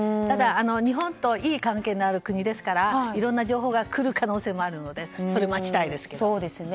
日本といい関係のある国ですからいろんな情報が来る可能性もあるのでそれを待ちたいですね。